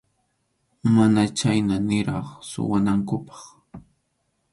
Mana chhayna niraq suwanankupaq.